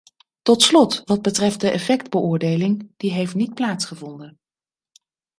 Tot slot, wat betreft de effectbeoordeling, die heeft niet plaatsgevonden.